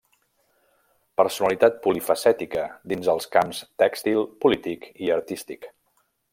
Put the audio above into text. Personalitat polifacètica dins els camps tèxtil, polític i artístic.